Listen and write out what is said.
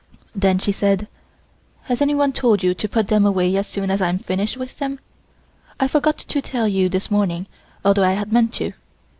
Then she said: "Has anyone told you to put them away as soon as I am finished with them? I forgot to tell you this morning, although I had meant to."